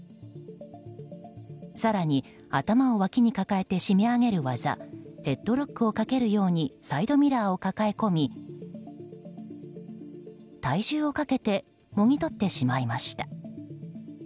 更に、頭をわきに抱えて締め上げる技ヘッドロックをかけるようにサイドミラーを抱え込み体重をかけてもぎ取ってしまいました。